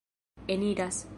eniras